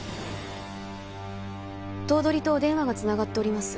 頭取とお電話が繋がっております。